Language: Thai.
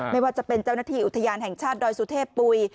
ไม่ว่าจะเป็นเจ้าหน้าที่อุทยานแห่งชาติดอยสุเทพปุ๋ย